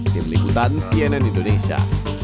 di melikutan cnn indonesia